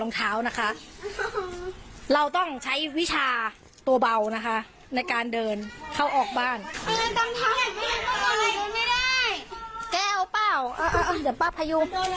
มันโดนอะไรก่อนเอาไว้ให้ไปกุ้งมานิดอะไรกวาดเท้ากันเนี่ย